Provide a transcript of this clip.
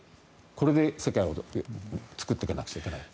それで世界を作っていかなきゃいけない。